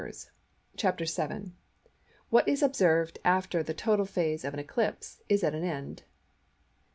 ] CHAPTER VII. WHAT IS OBSERVED AFTER THE TOTAL PHASE OF AN ECLIPSE OF THE SUN IS AT AN END.